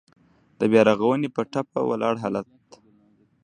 د بيا رغونې په ټپه ولاړ حالات.